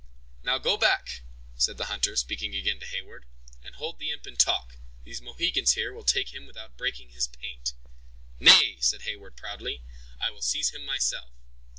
"Now, go you back," said the hunter, speaking again to Heyward, "and hold the imp in talk; these Mohicans here will take him without breaking his paint." "Nay," said Heyward, proudly, "I will seize him myself."